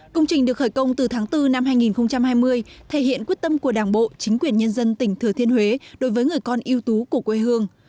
công trình được khởi công từ tháng bốn năm hai nghìn hai mươi thể hiện quyết tâm của đảng bộ chính quyền nhân dân tỉnh thừa thiên huế đối với người con yêu tú của quê hương